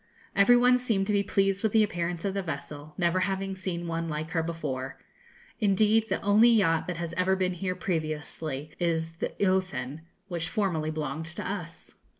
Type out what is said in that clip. Every one seemed to be pleased with the appearance of the vessel, never having seen one like her before. Indeed, the only yacht that has ever been here previously is the 'Eothen,' which formerly belonged to us.